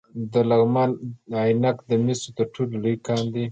د لغمان عينک د مسو تر ټولو لوی کان دی